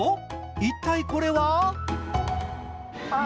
一体これは？